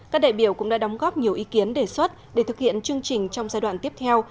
các đại biểu cũng đã đóng góp nhiều ý kiến đề xuất để thực hiện chương trình trong giai đoạn tiếp theo